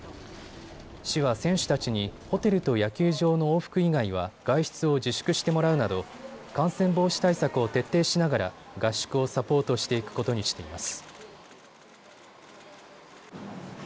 市は選手たちにホテルと野球場の往復以外は外出を自粛してもらうなど感染防止対策を徹底しながら合宿をサポートしていくことにしています。